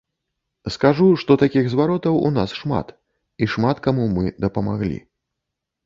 Скажу, што такіх зваротаў у нас шмат, і шмат каму мы дапамаглі.